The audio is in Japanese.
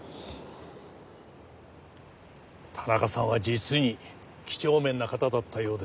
田中さんは実に几帳面な方だったようですなあ。